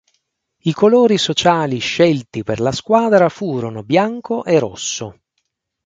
I colori sociali scelti per la squadra furono bianco e rosso.